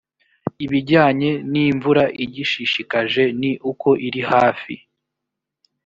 ibijyanye n imvura igishishikaje ni uko irihafi